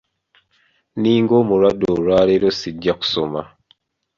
Ninga omulwadde olwaleero sijja kusoma.